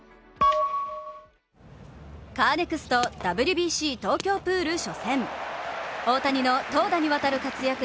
カーネクストＷＢＣ東京プール初戦。